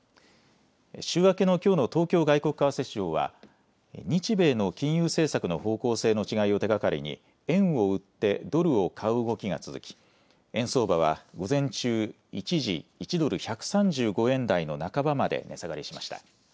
週明けのきょうの東京外国為替市場は、日米の金融政策の方向性の違いを手がかりに、円を売ってドルを買う動きが続き、円相場は午前中、一時１ドル１３５円台の半ばまで値下がりしました。